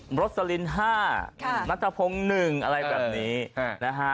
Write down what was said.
มรดสลิน๕มัตตะพง๑อะไรแบบนี้นะฮะ